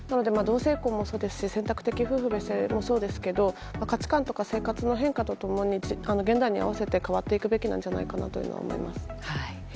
同性婚もそうですし選択的夫婦別姓もそうですけど価値観とか生活の変化と共に現代に合わせて変わっていくべきじゃないかと思います。